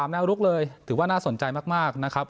แนวลุกเลยถือว่าน่าสนใจมากนะครับ